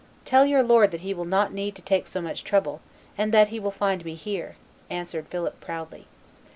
"Tell your lord that he will not need to take so much trouble, and that he will find me here," answered Philip proudly.